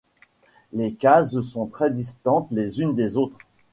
Les cases sont très distantes les unes des autres.